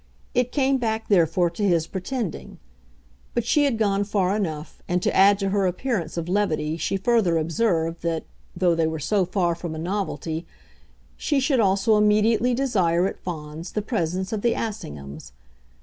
It came back therefore to his pretending; but she had gone far enough, and to add to her appearance of levity she further observed that, though they were so far from a novelty, she should also immediately desire, at Fawns, the presence of the Assinghams.